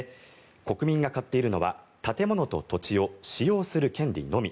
国民が買っているのは建物と土地を使用する権利のみ。